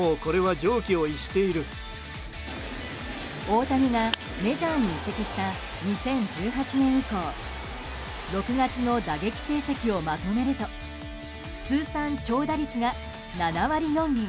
大谷がメジャーに移籍した２０１８年以降６月の打撃成績をまとめると通算長打率が７割４厘。